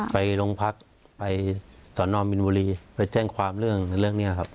ไปโรงพักไปสอนอมมินบุรีไปแจ้งความเรื่องในเรื่องนี้ครับ